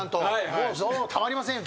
もうたまりませんよ